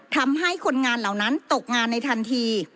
ทำให้คนงานเหล่านั้นตกงานในทันที